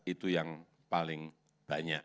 itu yang paling banyak